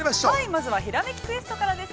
◆まずは「ひらめきクエスト」からです。